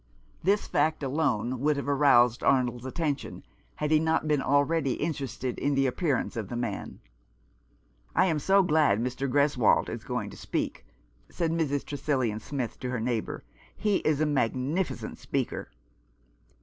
This fact alone would have aroused Arnold's attention, had he not been already interested by the appearance of the man. " I am so glad Mr. Greswold is going to speak," said Mrs. Tresillian Smith to her neighbour. " He is a magnificent speaker."